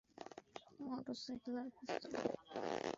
Motorcycle আর পিস্তল!